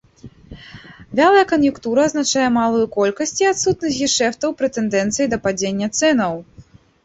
Вялая кан'юнктура азначае малую колькасць ці адсутнасць гешэфтаў пры тэндэнцыі да падзення цэнаў.